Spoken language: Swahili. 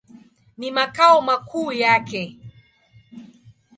Ni makao makuu yake.